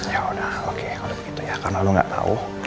ya udah oke udah begitu ya karena lu nggak tahu